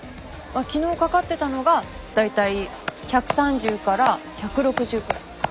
昨日かかってたのがだいたい１３０から１６０くらい。